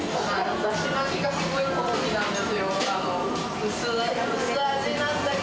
だし巻き卵すごい好みなんですよ。